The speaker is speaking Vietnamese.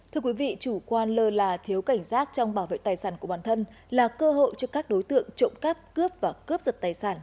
thưa quý vị chủ quan lơ là thiếu cảnh giác trong bảo vệ tài sản của bản thân là cơ hội cho các đối tượng trộm cắp cướp và cướp giật tài sản